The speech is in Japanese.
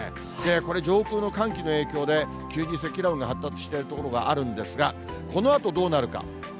これ、上空の寒気の影響で急に積乱雲が発達している所があるんですが、このあとどうなるか。